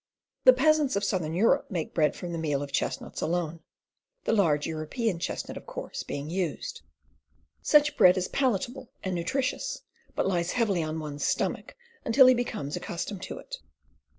The peasants of southern Europe make bread from the meal of chestnuts alone — the large European chestnut, of course, being used. Such bread is palatable and nutritious, but lies heavily on one's stomach until he becomes accustomed to it.